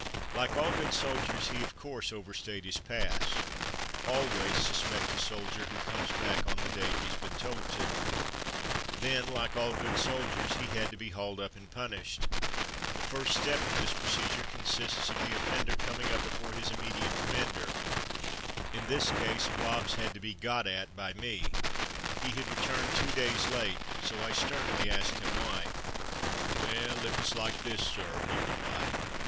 Like all good soldiers he, of course, overstayed his pass. (Always suspect a soldier who comes back on the day he's been told to.) Then, like all good soldiers, he had to be hauled up and '' A sharp rise in tin. "/.• r r,^ c^^, c^o ^ I c ^o^ *\, Blobbs Gets into Trouble 65 punished. The first step in this procedure consists of the offender coming up before his immediate commander. In this case Blobbs had to be "got at'' by me. He had returned two days late, so I sternly asked him why. "Well, it was like this, sir,'' he replied.